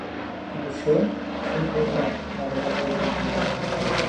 কিন্তু সে সুখ বোধহয় তাঁদের কপালে নেই।